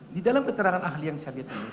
di dalam keterangan ahli yang saya lihat